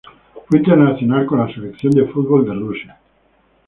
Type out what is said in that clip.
Fue internacional con la selección de fútbol de Rusia.